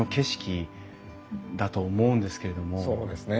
そうですね。